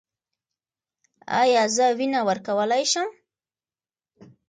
ایا زه وینه ورکولی شم؟